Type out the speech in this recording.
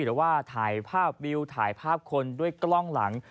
หรือว่าถ่ายภาพวิวถ่ายภาพคนด้วยกล้องหลัง